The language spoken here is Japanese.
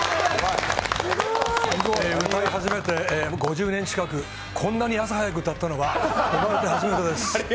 歌い始めて５０年近く、こんなに朝早く歌ったのは生まれて初めてです。